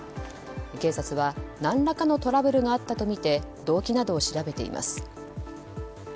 警察は何らかのトラブルがあったとみて動機などを調べています。